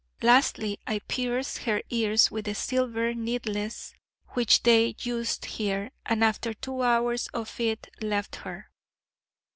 Lastly, I pierced her ears with the silver needles which they used here: and after two hours of it left her.